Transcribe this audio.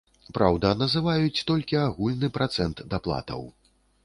Праўда, называюць толькі агульны працэнт даплатаў.